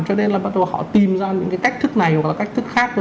cho nên là bắt đầu họ tìm ra những cái cách thức này hoặc là cách thức khác